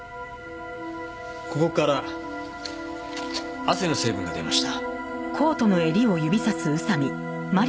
ここから汗の成分が出ました。